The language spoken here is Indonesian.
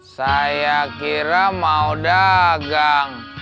saya kira mau dagang